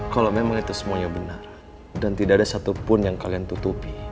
kalau memang itu semuanya benar dan tidak ada satupun yang kalian tutupi